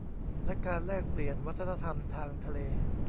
และการแลกเปลี่ยนวัฒนธรรมทางทะเล